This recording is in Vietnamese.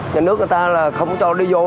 nhà nước người ta là không cho đi vô